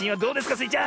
スイちゃん。